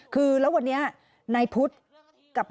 มึงอยากให้ผู้ห่างติดคุกหรอ